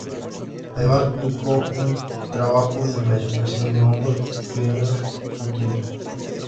Además publicó un trabajo de clasificación de Hongos pionero en su tiempo.